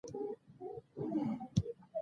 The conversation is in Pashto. دوی د بل کاسټ له غړو سره اړیکه نه نیوله.